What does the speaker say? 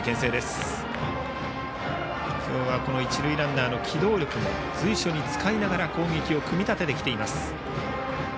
今日は一塁ランナーの機動力も随所に使いながら攻撃を組み立てています。